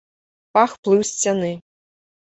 Пах плыў з сцяны.